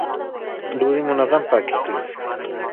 دوړې منظم پاکې کړئ.